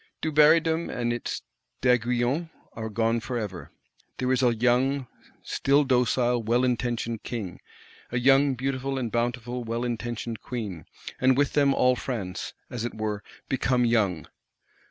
Dubarrydom and its D'Aiguillons are gone forever. There is a young, still docile, well intentioned King; a young, beautiful and bountiful, well intentioned Queen; and with them all France, as it were, become young.